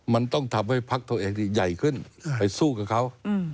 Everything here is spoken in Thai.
มันต้องทำให้พักตัวเองใหญ่ขึ้นไปสู้กับเขา